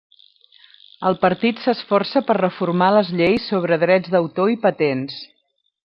El partit s'esforça per reformar les lleis sobre drets d'autor i patents.